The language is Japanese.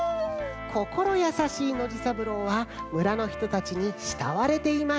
こころやさしいノジさぶろうはむらのひとたちにしたわれていました。